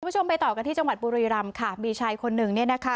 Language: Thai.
คุณผู้ชมไปต่อกันที่จังหวัดบุรีรำค่ะมีชายคนหนึ่งเนี่ยนะคะ